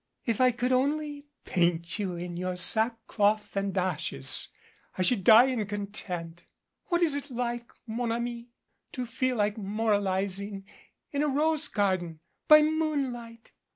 If I could only paint you in your sackcloth and ashes, I should die in content. What is it like, man ami, to feel like moralizing in a rose garden by moonlight?